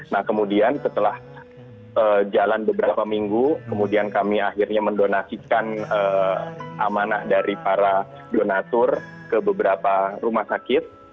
nah kemudian setelah jalan beberapa minggu kemudian kami akhirnya mendonasikan amanah dari para donatur ke beberapa rumah sakit